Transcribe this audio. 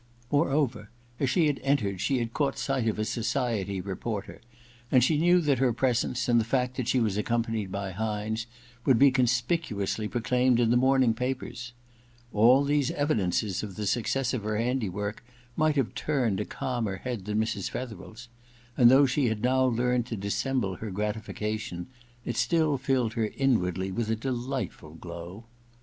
Moreover, as she entered she had caught sight of a society re porter, and she knew that her presence, and the tact that she was accompanied by Hynes, would III iia EXPIATION y be conspicuously proclaimed in the morning papers. All these evidences of the success of her handiwork might have turned a calmer head than Mrs. Fetherel's ; and though she had now learned to dissemble her gratification, it still filled her inwardly with a delightful glow.